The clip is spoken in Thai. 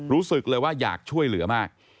รู้สึกเลยว่าอยากช่วยเหลือมาก